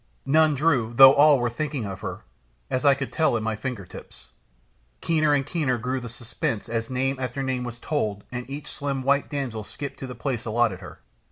None drew, though all were thinking of her, as I could tell in my fingertips. Keener and keener grew the suspense as name after name was told and each slim white damsel skipped to the place allotted her.